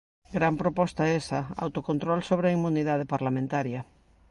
Gran proposta esa: autocontrol sobre a inmunidade parlamentaria.